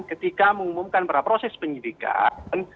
ketika mengumumkan pada proses penyidikan